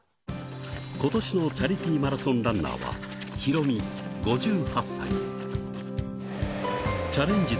ことしのチャリティーマラソンランナーは、ヒロミ５８歳。